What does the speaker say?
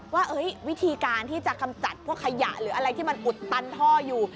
ว่าวิธีการที่จะกำจัดพวกขยะหรืออะไรที่มันอุดตันท่ออยู่